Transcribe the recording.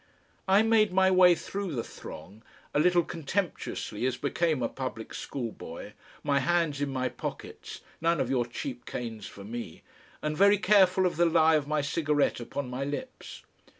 I made my way through the throng, a little contemptuously as became a public schoolboy, my hands in my pockets none of your cheap canes for me! and very careful of the lie of my cigarette upon my lips.